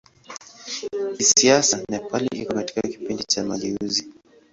Kisiasa Nepal iko katika kipindi cha mageuzi.